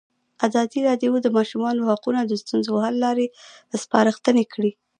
ازادي راډیو د د ماشومانو حقونه د ستونزو حل لارې سپارښتنې کړي.